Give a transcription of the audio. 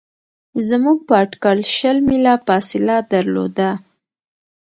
زموږ په اټکل شل میله فاصله درلوده.